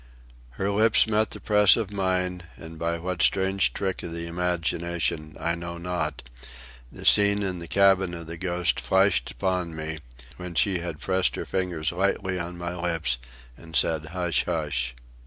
Her lips met the press of mine, and, by what strange trick of the imagination I know not, the scene in the cabin of the Ghost flashed upon me, when she had pressed her fingers lightly on my lips and said, "Hush, hush."